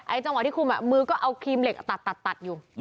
จังหวะที่คุมมือก็เอาครีมเหล็กตัดอยู่